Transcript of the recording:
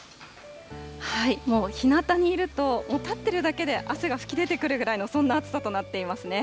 もう、ひなたにいると、もう立ってるだけで汗が噴き出てくるくらいの、そんな暑さとなっていますね。